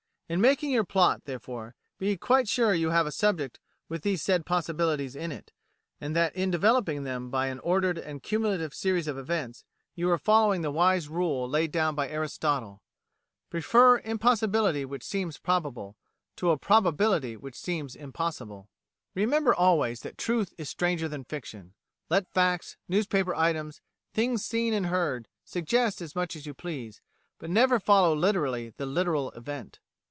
In making your plot, therefore, be quite sure you have a subject with these said possibilities in it, and that in developing them by an ordered and cumulative series of events, you are following the wise rule laid down by Aristotle: "Prefer an impossibility which seems probable, to a probability which seems impossible." Remember always that truth is stranger than fiction. Let facts, newspaper items, things seen and heard, suggest as much as you please, but never follow literally the literal event.